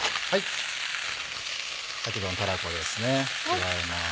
先ほどのたらこですね加えます。